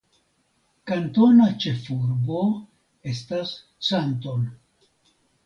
Kantona ĉefurbo estas Canton.